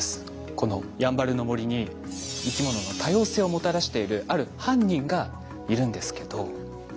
このやんばるの森に生き物の多様性をもたらしているある犯人がいるんですけど。